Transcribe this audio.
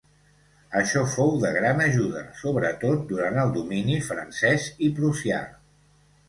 Això fou de gran ajuda sobretot durant el domini francès i prussià.